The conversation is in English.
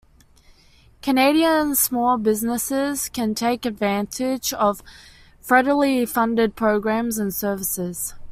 Canadian small businesses can take advantage of federally funded programs and services.